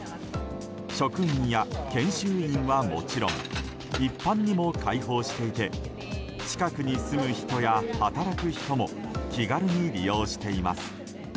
職員や研修員はもちろん一般にも開放していて近くに住む人や働く人も気軽に利用しています。